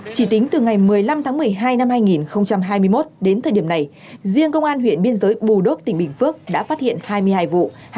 chỉ tính từ ngày một mươi năm tháng một mươi hai năm hai nghìn hai mươi một đến thời điểm này riêng công an huyện biên giới bù đốp tỉnh bình phước đã phát hiện hai mươi hai vụ